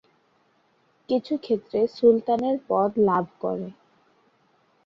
কিছু ক্ষেত্রে সুলতানের পদ লাভ করে।